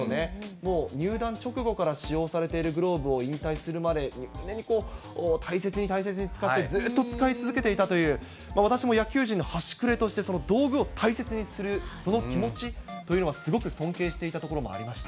もう入団直後から使用されているグローブを引退するまで入念に、大切に大切に使って、ずっと使い続けていたという、私も野球人の端くれとしてその道具を大切にする、その気持ちというのはすごく尊敬していたところもありました。